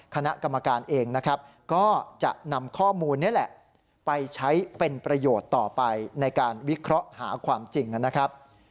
คณะกรรมการเองนะครับก็จะนำข้อมูลนี้แหละไปใช้เป็นประโยชน์ต่อไปในการวิเคราะห์หาความจริงนะครับ